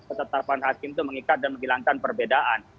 ketetapan hakim itu mengikat dan menghilangkan perbedaan